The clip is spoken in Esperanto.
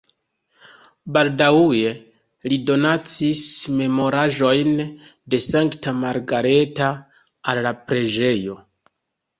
Baldaŭe li donacis memoraĵojn de Sankta Margareta al la preĝejo.